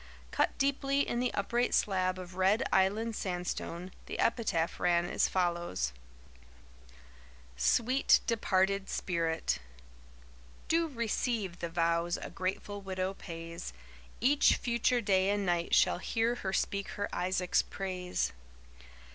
Cut deeply in the upright slab of red Island sandstone, the epitaph ran as follows: SWEET DEPARTED SPIRIT Do receive the vows a grateful widow pays, Each future day and night shall hear her speak her Isaac's praise.